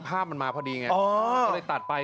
ภาพมันมาพอดีอย่างงี้